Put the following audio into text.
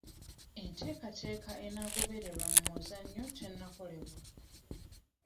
Enteekateeka enaagobererwa mu muzannyo tennakolebwa.